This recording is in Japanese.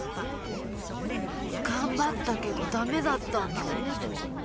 頑張ったけどダメだったんだもん